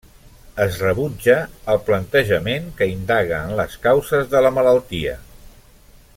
Es rebutja el plantejament que indaga en les causes de la malaltia.